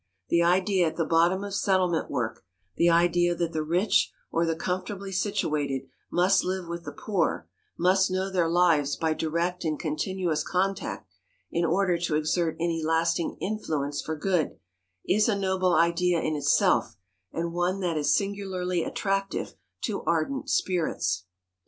The idea at the bottom of settlement work, the idea that the rich or the comfortably situated must live with the poor, must know their lives by direct and continuous contact in order to exert any lasting influence for good, is a noble idea in itself and one that is singularly attractive to ardent spirits.